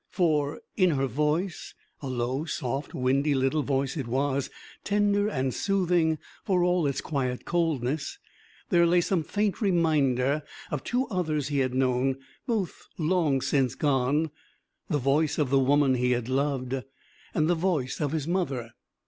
For in her voice a low, soft, windy little voice it was, tender and soothing for all its quiet coldness there lay some faint reminder of two others he had known, both long since gone: the voice of the woman he had loved, and the voice of his mother.